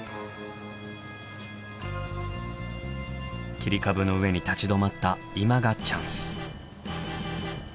切り株の上に立ち止まった今がチャンス！